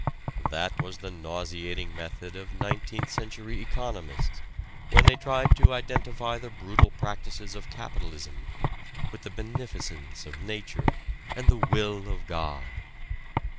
That was the nauseating method of nineteenth century economists when they tried to identify the brutal practices of capitalism with the beneficence of nature and the Will of God.